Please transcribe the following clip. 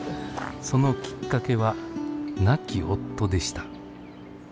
そのきっかけは亡き夫でした。